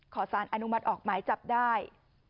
ขอสารอนุมัติออกหมายจับได้